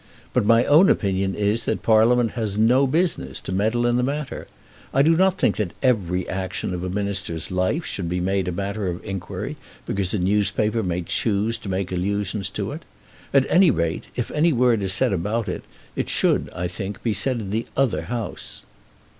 But my own opinion is that Parliament has no business to meddle in the matter. I do not think that every action of a minister's life should be made matter of inquiry because a newspaper may choose to make allusions to it. At any rate, if any word is said about it, it should, I think, be said in the other House."